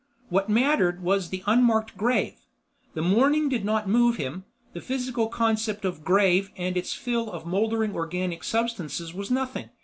What mattered was the unmarked grave. The mourning did not move him; the physical concept of "grave" and its fill of moldering organic substances was nothing.